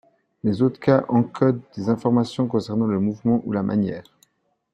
Les autres cas encodent des informations concernant le mouvement ou la manière.